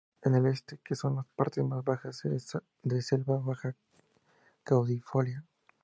En el este que son las partes más bajas, es selva baja caducifolia.